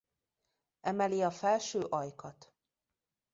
Emeli a felső ajkat.